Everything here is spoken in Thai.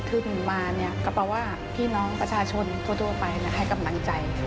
ถึงมาก็บอกว่าพี่น้องประชาชนทั่วไปให้กำลังใจ